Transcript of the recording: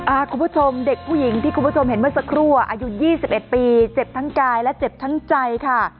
คุณผู้ชมเด็กผู้หญิงที่คุณผู้ชมเห็นเมื่อสักครู่อายุยี่สิบเอ็ดปีเจ็บทั้งกายและเจ็บทั้งใจค่ะ